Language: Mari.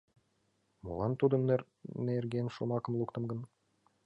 — Молан тудын нерген шомакым луктым гын?